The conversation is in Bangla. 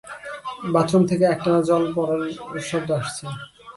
বাথরুম থেকে একটানা জল পড়ার শব্দ আসছে।